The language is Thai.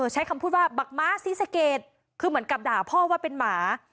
ใช้คำพูดว่าบักม้าศรีสะเกดคือเหมือนกับด่าพ่อว่าเป็นหมา